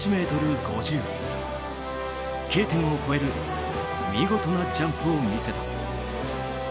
Ｋ点を越える見事なジャンプを見せた。